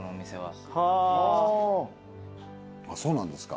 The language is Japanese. そうなんですか。